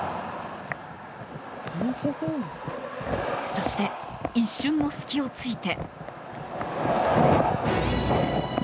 そして、一瞬の隙を突いて。